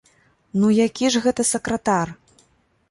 Ну, які ж гэта сакратар?